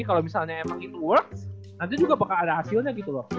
kalau misalnya emang in awards nanti juga bakal ada hasilnya gitu loh